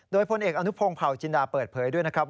โดยพลเอกอนุพงศ์เผาจินดาเปิดเผยด้วยนะครับ